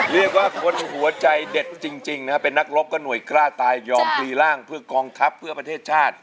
เรียกว่าคนหัวใจเด็ดจริงนะครับเป็นนักรบก็หน่วยกล้าตายยอมพลีร่างเพื่อกองทัพเพื่อประเทศชาติ